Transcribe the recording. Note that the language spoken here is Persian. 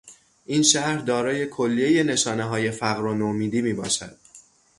این شهر دارای کلیهی نشانههای فقر و نومیدی میباشد.